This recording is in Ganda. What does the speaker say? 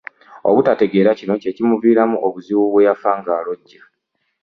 Obutategeera kino kye kimuviiramu obuzibu bwe yafa ng’alojja.